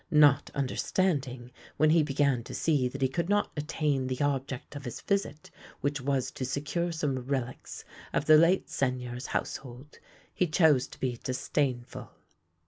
Not under standing, when he began to see that he could not attain the object of his visit, which was to secure some relics of the late Seigneur's household, he chose to be dis dainful.